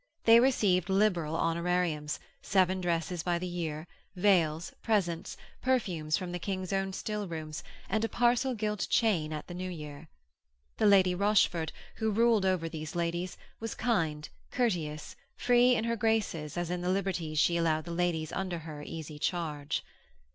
They received liberal honorariums, seven dresses by the year, vails, presents, perfumes from the King's own still rooms, and a parcel gilt chain at the New Year. The Lady Rochford, who ruled over these ladies, was kind, courteous, free in her graces as in the liberties she allowed the ladies under her easy charge.